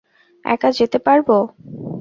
একা যেতে পারব।